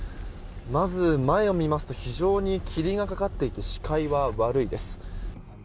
まず、前を見ますと非常に霧がかかっていて視界は悪いです。